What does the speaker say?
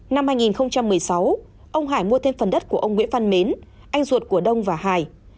năm hai nghìn một mươi sáu ông hải mua thêm phần đất của ông nguyễn văn mến anh ruột của đông và hải